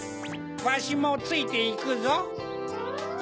わしもついていくぞ。